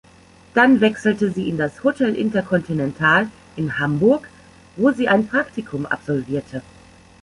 Dann wechselte sie in das Hotel Intercontinental in Hamburg, wo sie ein Praktikum absolvierte.